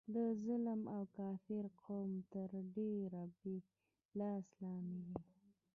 د ظلم او کافر قوم تر ډبره یې لاس لاندې دی.